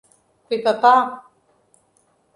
Quipapá